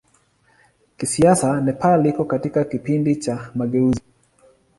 Kisiasa Nepal iko katika kipindi cha mageuzi.